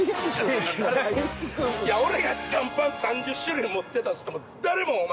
俺が短パン３０種類持ってたとしても誰もお前。